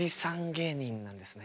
芸人なんですね。